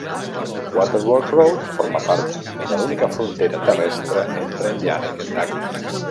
Waterworks Road forma part de l'única frontera terrestre entre Indiana i Kentucky.